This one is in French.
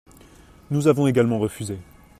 Nous avons également refusé.